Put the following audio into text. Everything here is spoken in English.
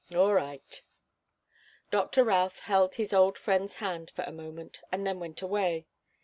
"All right." Doctor Routh held his old friend's hand for a moment, and then went away.